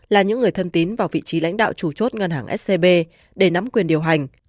là những người thân tín vào vị trí lãnh đạo chủ chốt ngân hàng scb để nắm quyền điều hành